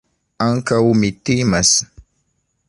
Ankaŭ mi timas.